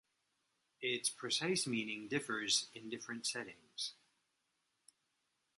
Its precise meaning differs in different settings.